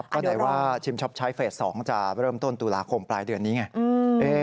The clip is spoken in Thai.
ก็ไหนว่าชิมช็อปใช้เฟส๒จะเริ่มต้นตุลาคมปลายเดือนนี้ไง